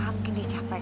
mungkin dicapai kali